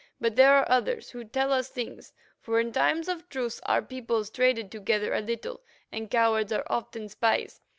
But there are others who tell us things, for in times of truce our peoples trade together a little, and cowards are often spies.